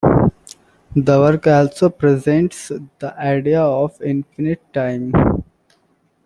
The work also presents the idea of infinite time.